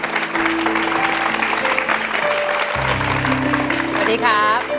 สวัสดีนะ